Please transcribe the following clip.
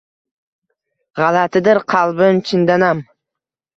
“G’alatidir qalbim chindanam